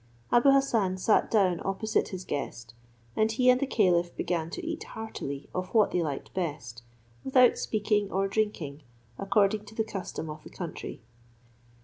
Abou Hassan sat down opposite his guest, and he and the caliph began to eat heartily of what they liked best, without speaking or drinking, according to the custom of the country.